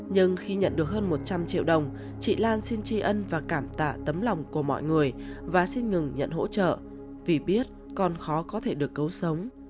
nhưng khi nhận được hơn một trăm linh triệu đồng chị lan xin tri ân và cảm tạ tấm lòng của mọi người và xin ngừng nhận hỗ trợ vì biết con khó có thể được cấu sống